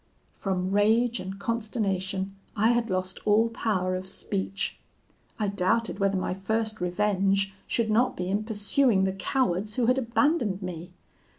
"From rage and consternation I had lost all power of speech. I doubted whether my first revenge should not be in pursuing the cowards who had abandoned me.